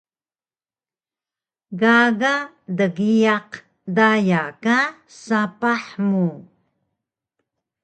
Gaga dgiyaq daya ka sapah mu